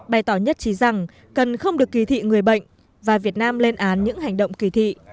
bày tỏ nhất trí rằng cần không được kỳ thị người bệnh và việt nam lên án những hành động kỳ thị